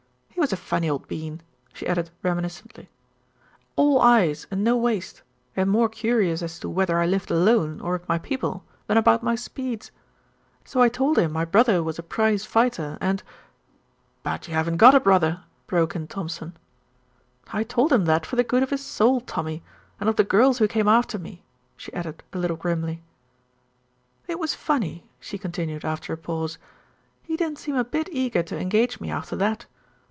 He was a funny old bean," she added reminiscently, "all eyes and no waist, and more curious as to whether I lived alone, or with my people, than about my speeds. So I told him my brother was a prize fighter, and " "But you haven't got a brother," broke in Thompson. "I told him that for the good of his soul, Tommy, and of the girls who came after me," she added a little grimly. "It was funny," she continued after a pause. "He didn't seem a bit eager to engage me after that.